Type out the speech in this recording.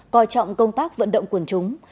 coi trọng công tác vận động quân chúng